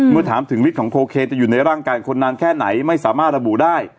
เมื่อถามถึงฤทธิของโคเคนจะอยู่ในร่างกายคนนานแค่ไหนไม่สามารถระบุได้